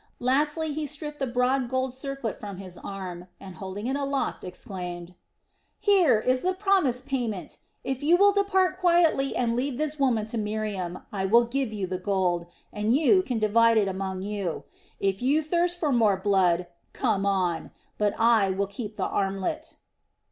Lastly he stripped the broad gold circlet from his arm, and holding it aloft exclaimed: "Here is the promised payment. If you will depart quietly and leave this woman to Miriam, I will give you the gold, and you can divide it among you. If you thirst for more blood, come on; but I will keep the armlet."